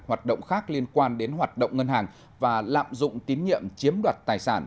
hoạt động khác liên quan đến hoạt động ngân hàng và lạm dụng tín nhiệm chiếm đoạt tài sản